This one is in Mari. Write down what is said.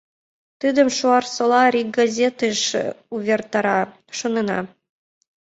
Тидым Шуарсола рик газетыш увертара, шонена.